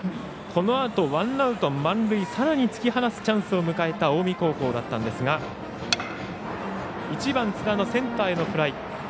このあとワンアウト満塁さらに突き放すチャンスを迎えた近江高校だったんですが１番、津田のセンターへのフライ。